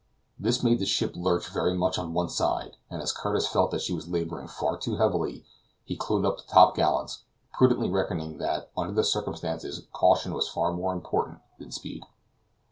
This made the ship lurch very much on one side, and as Curtis felt that she was laboring far too heavily, he clewed up the top gallants, prudently reckoning that, under the circumstances, caution was far more important than speed.